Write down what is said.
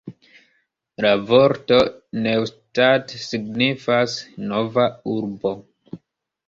La vorto Neustadt signifas "nova urbo".